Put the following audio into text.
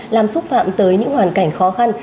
làm xúc phạm tới những hoàn cảnh khó khăn